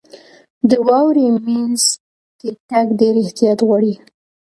• د واورې مینځ کې تګ ډېر احتیاط غواړي.